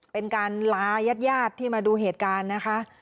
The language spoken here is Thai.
เป็นการลายาดที่มาดูเหตุการณ์นะคะ